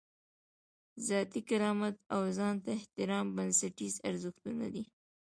ذاتي کرامت او ځان ته احترام بنسټیز ارزښتونه دي.